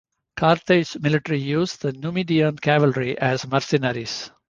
Carthage's military used the Numidian cavalry as mercenaries.